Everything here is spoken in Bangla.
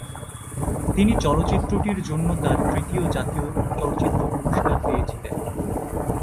তিনি চলচ্চিত্রটির জন্য তার তৃতীয় জাতীয় চলচ্চিত্র পুরস্কার পেয়েছিলেন।